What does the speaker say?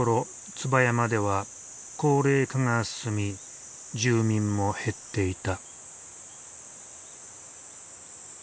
椿山では高齢化が進み住民も減っていた。